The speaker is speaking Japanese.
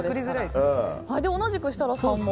同じく設楽さんも。